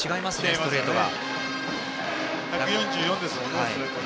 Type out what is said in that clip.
ストレートが。